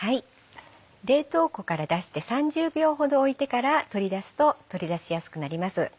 冷凍庫から出して３０秒ほどおいてから取り出すと取り出しやすくなります。